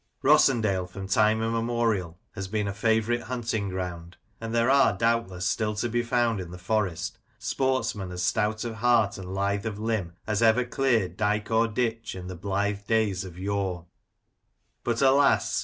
Rossendale, from time immemorial, has been a favourite hunting ground ; and there are, doubtless, still to be found in the Forest, sportsmen as stout of heart and lithe of limb as ever cleared dyke or ditch in the blithe days of yore ; but, alas!